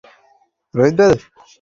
সবচেয়ে বেশি চিন্তিত মনে হচ্ছে সাফকাতকে।